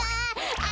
あ！